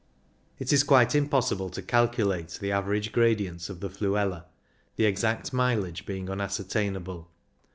It is quite impossible to calculate the average gradients of the Fluela, the exact mileage being unascertainable.